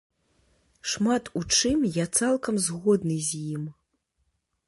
Шмат у чым я цалкам згодны з ім.